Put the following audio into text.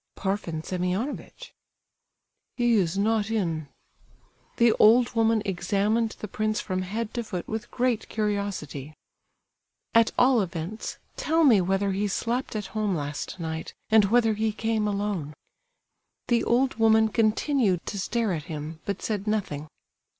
"Parfen Semionovitch." "He is not in." The old woman examined the prince from head to foot with great curiosity. "At all events tell me whether he slept at home last night, and whether he came alone?" The old woman continued to stare at him, but said nothing.